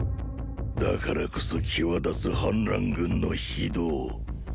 だからこそ際立つ反乱軍の非道。